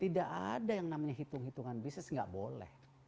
tidak ada yang namanya hitung hitungan bisnis nggak boleh